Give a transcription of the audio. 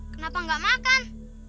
kenapa gak makan